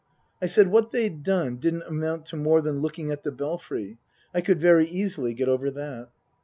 I said what they'd done didn't amount to more than looking at the Belfry. I could very easily get over that.